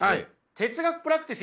哲学プラクティス？